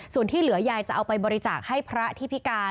ส่วนที่เหลือยายจะเอาไปบริจาคให้พระที่พิการ